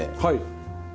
はい。